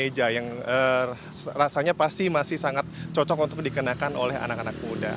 nah ini juga ada yang rasanya pasti masih sangat cocok untuk dikenakan oleh anak anak muda